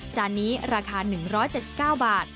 จานนี้ราคา๑๗๙บาท